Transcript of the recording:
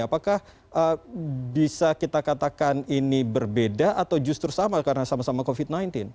apakah bisa kita katakan ini berbeda atau justru sama karena sama sama covid sembilan belas